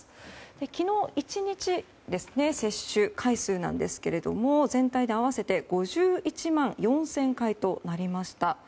昨日１日の接種回数ですが全体で合わせて５１万４０００回となりました。